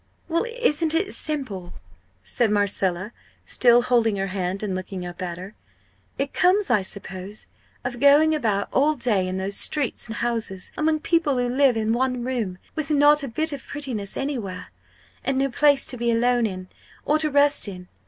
"Well, isn't it simple?" said Marcella, still holding her hand and looking up at her. "It comes, I suppose, of going about all day in those streets and houses, among people who live in one room with not a bit of prettiness anywhere and no place to be alone in, or to rest in.